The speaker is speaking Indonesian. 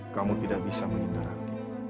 kamu tidak bisa menindaraku